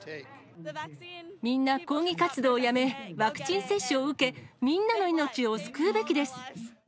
みんな抗議活動をやめ、ワクチン接種を受け、みんなの命を救うべきです。